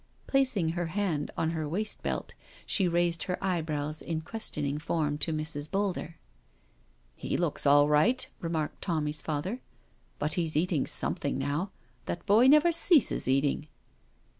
Placing her hand on her waist belt she raised her eyebrows in questioning form to Mrs. Boulder. "He looks all right," remarked Tommy's father, " but he*s eating something now — ^that boy never ceases eating.'